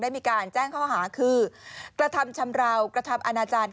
มีการแจ้งข้อหาคือกระทำชำราวกระทำอาณาจารย์